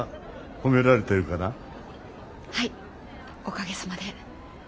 はいおかげさまで。